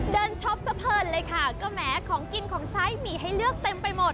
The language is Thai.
ช็อปสะเพลินเลยค่ะก็แม้ของกินของใช้มีให้เลือกเต็มไปหมด